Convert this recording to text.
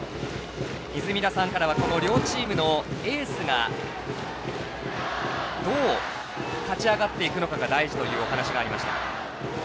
泉田さんからは両チームのエースがどう立ち上がっていくのかが大事というお話がありました。